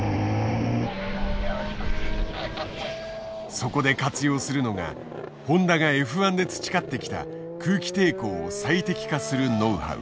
そこで活用するのがホンダがＦ１で培ってきた空気抵抗を最適化するノウハウ。